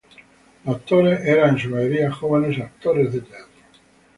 Los actores eran en su mayoría jóvenes actores de teatro.